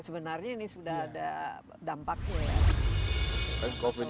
sebenarnya ini sudah ada dampaknya ya